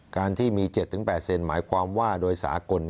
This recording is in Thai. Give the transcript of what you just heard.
การที่มี๗๘หมายความว่าโดยสากล